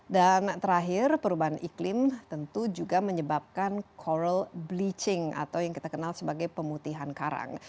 dan terakhir perubahan iklim tentu juga menyebabkan coral bleaching atau yang kita kenal sebagai pemutihan karang